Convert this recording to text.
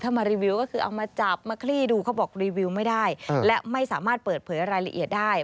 มารีวิวก็คือเอามาจับมาคลี่ดูเขาบอกรีวิวไม่ได้และไม่สามารถเปิดเผยรายละเอียดได้